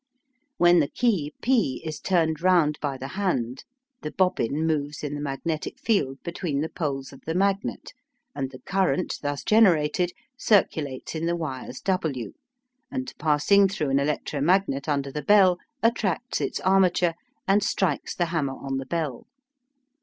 When the key P is turned round by the hand, the bobbin moves in the magnetic field between the poles of the magnet, and the current thus generated circulates in the wires W, and passing through an electromagnet under the bell, attracts its armature, and strikes the hammer on the bell.